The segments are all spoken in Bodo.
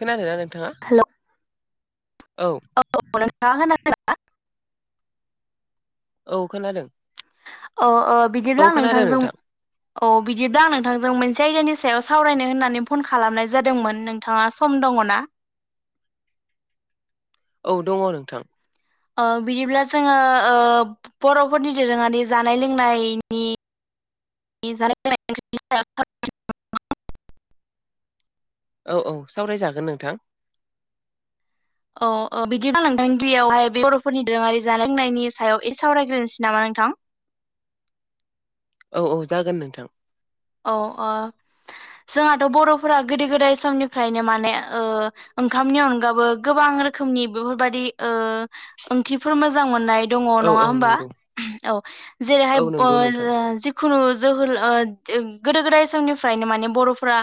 खोनादों ना नोंथाङा? औ। औ नोंथांआ खोनादों ना? औ खोनादों। अह अह औ बिदिब्ला खोनादों नोंथांजों नोंथां औ बिदिब्ला आं नोंथांजों मोनसे आयदानि सायाव सावरायनो होननानै फन खालामनाय जादोंमोन, नोंथाङा सम दं ङना? औ दङ नोंथां। ओ बिदिब्ला जोङो ओ बर'फोरनि दोरोङारि जानाय लोंनायनि [unintelligible] [inaudible] औ औ सावरायजागोन नोंथां। औ ओ बिदिब्ला नोंथां दैयावहाय बे बर'फोरनि दोरोङारि जानाय लोंनायनि सायाव एसे सावरायग्रोनोसै नामा नोंथां? [unintelligible] औ औ जागोन नोंथां। औ अह। जोंहाथ' बर'फोरा गोदो गोदाय समनिफ्रायनो माने ओ ओंखामनि अनगाबो गोबां गोबां रोखोमनि बेफोरबादि ओ ओंख्रिफोर मोजां मोननाय दङ औ नङा औ होमबा नंगौ औ जेरैहाय औ नंगौ नोंथां [unintelligible] जिखुनु जोहोल ओ गोदो गोदाय समनिफ्रायनो माने बर'फोरा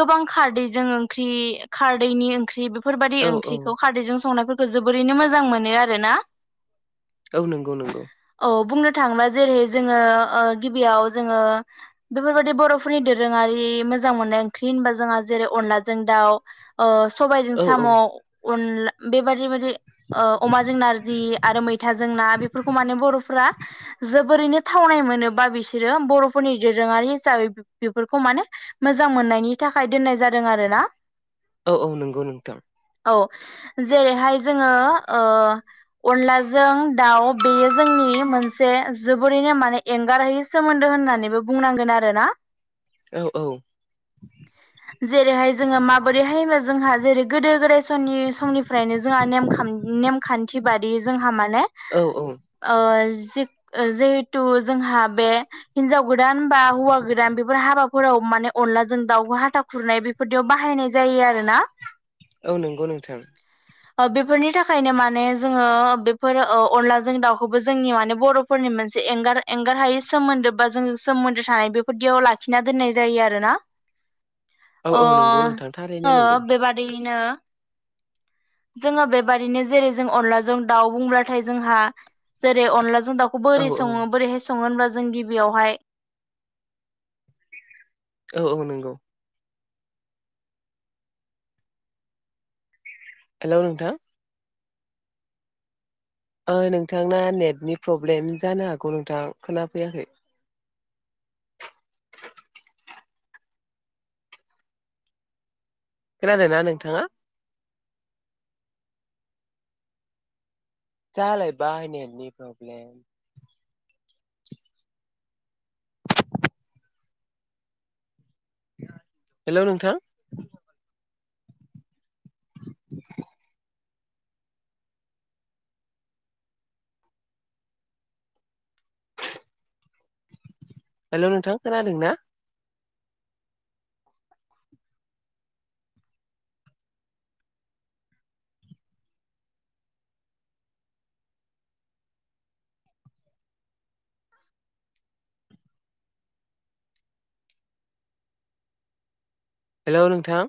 गोबां खारदैजों ओंख्रि खारदैनि ओंख्रि बेफोरबादि औ औ ओंख्रिखौ खारदैजों संनायफोरखौ जोबोरैनो मोजां मोनो आरोना। औ नंगौ नंगौ। औ बुंनो थाङोब्ला जेरै जोङो ओ गिबियाव जोङो बेफोरबायाददि बर'फोरनि दोरोङारि मोजां मोननाय ओंख्रि होनबा जोंहा जेरै अनलाजों दाउ ओ सबायाइजों औ साम' औ अनला बेबायदि बायदि ओ अमा जों नारजि आरो मैथााजों ना बेफोरखौ माने बर'फोरा आ जोबोरैनो थावनाय मोनोबा बिसोरो बर'फोरनि दोरोङारि हिसाबै बेफोरखौ माने मोजां मोननायनि थाखाय दोननाय जादों आरो ना। औ औ नंगौ नोंथां। औ जेरैहाय जोङो ओ अनलाजों दाउ बेयो जोंनि मोनसे जोबोरैनो माने एंगारहै सोमोन्दो। होननानैबो बुंनांगोन आरोना औ औ जेरैहाय जोङो माबोरैहायबा जोंहा जेरै गोदो गोदाय समनि समनिफ्रायनो जोंहा नेमखाम नेमखान्थि बादि जोंहा मा ने औ ओ जिहेथु जोंहा बे हिनजाव गोदान बा हौवा गोदान बेफोर हाबाफोराव माने अनलाजों दाउखौ हाथा खुरनाय बेफोरदियाव बाहायनाय जायो। ए आरो ना‌। औ नंगौ नोंथां। ओ बेफोरनि थाखायनो माने जोङो बेफोर अनलाजों दाउखौबो जोंनि माने बर'फोरनि मोनसे एंगार एंगार हायि सोमोन्दो बा जोंङो सोमोन्दो थानाय बेफोरदियाव लाखिना दोननाय जायो आरोना। औ अ औ नंगौ नोंथां थारैनो जोंङो नंगौ बेबादियैनो जोङो बेबाददिनो जेरै जों अनलाजों दाउ बुंब्लाथाय जोंहा जेरै अनलाजों जों दाउखौ औ बोरै औ सङो बोरैहाय सङो होनोमब्ला जों गिबियावहाय औ औ नंगौ। हेलौ, ' नोंथां। नोंथांना नेटनि प्रब्लेम जानो हागौ नोंथां खोनाफैयाखै खोनादोंना नोंथाङा जालाय बाय नेटनि प्रब्लेम। हेलौ नोंथां। हेलौ नोंथां खोनादों ना। हेलौ, नोंथां